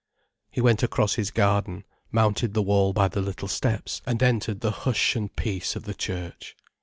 He went across his garden, mounted the wall by the little steps, and entered the hush and peace of the church.